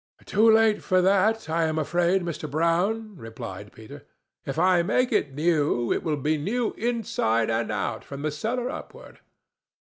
"Too late for that, I am afraid, Mr. Brown," replied Peter. "If I make it new, it will be new inside and out, from the cellar upward."